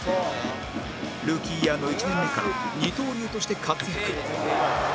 ルーキーイヤーの１年目から二刀流として活躍